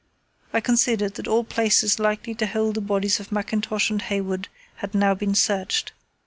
I considered that all places likely to hold the bodies of Mackintosh and Hayward had now been searched.